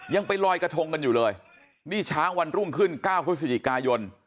ยังไปลอยกระทงกันอยู่เลยนี่ช้างวันรุ่งขึ้น๙พฤศจิกายน